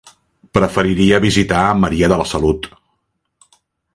Preferiria visitar Maria de la Salut.